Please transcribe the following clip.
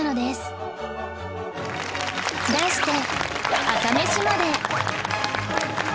題して